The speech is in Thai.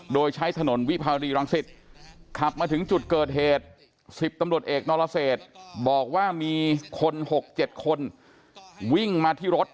โดยใช้ถนนวิภาวรีรังสิตขับมาถึงจุดเกิดเหตุ๑๐ตำรวจเอกนรเศษบอกว่ามีคน๖๗คนวิ่งมาที่รถ